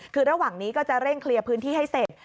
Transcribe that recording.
คือระหว่างนี้ก็จะเร่งเคลียร์พื้นที่ให้เสร็จ